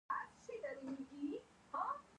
آیا باغونه اوبه او شنه ونې نلري؟